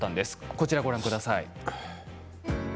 こちらをご覧ください。